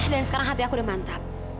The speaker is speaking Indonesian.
dan sekarang hati aku udah mantap